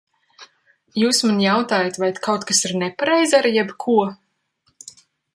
Jūs man jautājat, vai kaut kas ir nepareizi ar jebko?